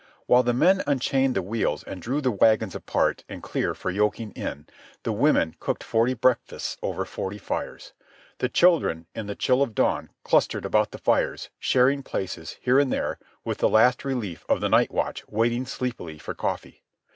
While the men unchained the wheels and drew the wagons apart and clear for yoking in, the women cooked forty breakfasts over forty fires. The children, in the chill of dawn, clustered about the fires, sharing places, here and there, with the last relief of the night watch waiting sleepily for coffee.